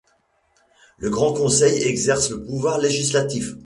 Le Grand Conseil exerce le pouvoir législatif.